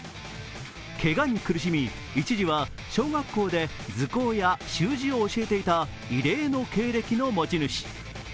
けがに苦しみ、一時は小学校で図工や習字を教えていた異例の経歴の持ち主。